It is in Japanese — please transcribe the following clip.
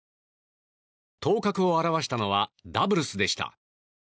頭角を現したのはダブルスでした。